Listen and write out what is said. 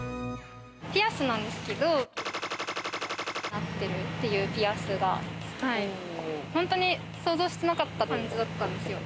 ピアスなんですけどなってるっていうピアスが本当に想像してなかった感じだったんですよ。